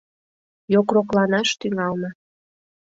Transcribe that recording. Йокрокланаш тӱҥална.